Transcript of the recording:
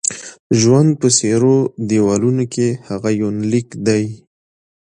ژوند په څيرو دېوالو کې: هغه یونلیک دی